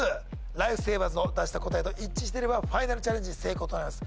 ライフセイバーズの出した答えと一致していればファイナルチャレンジ成功となります。